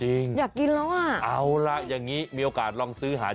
จริงอยากกินแล้วอ่ะเอาล่ะอย่างงี้มีโอกาสลองซื้อหา